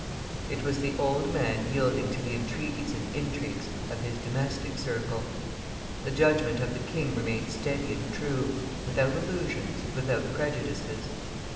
It was the old man yielding to the entreaties and intrigues of his domestic circle; the judgment of the king remained steady and true, without illusions and without prejudices.